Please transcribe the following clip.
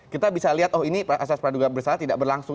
kita bisa lihat oh ini asas peraduga bersalah tidak berlangsung